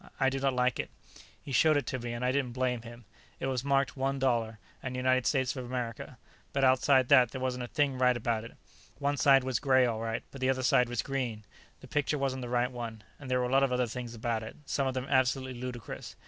I do not like it." He showed it to me, and I didn't blame him. It was marked One Dollar, and United States of America, but outside that there wasn't a thing right about it. One side was gray, all right, but the other side was green. The picture wasn't the right one. And there were a lot of other things about it, some of them absolutely ludicrous.